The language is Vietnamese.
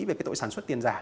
về cái tội sản xuất tiền giả